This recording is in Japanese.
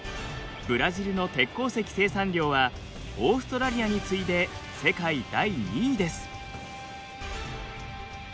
ブラジルの鉄鉱石生産量はオーストラリアに次いで世界第２位です。